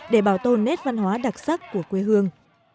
để bảo tồn nét văn hóa đặc sắc của quê hương